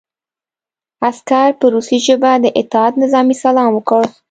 عسکر په روسي ژبه د اطاعت نظامي سلام وکړ